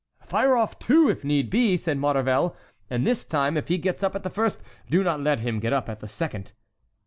"Fire off two, if need be," said Maurevel, "and this time, if he gets up at the first, do not let him get up at the second."